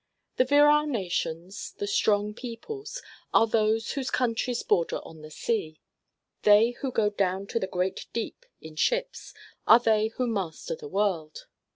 The virile nations, the strong peoples, are those whose countries border on the sea. They who go down to the great deep in ships are they who master the world.